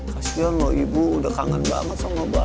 kasian loh ibu udah kangen banget sama bapak